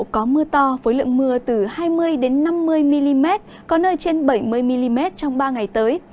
có mưa to với lượng mưa từ hai mươi năm mươi mm có nơi trên bảy mươi mm trong ba ngày tới